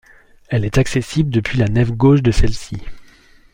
Elle est accessible depuis la nef gauche de celle-ci.